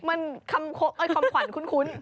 มันคำขวัญคุ้น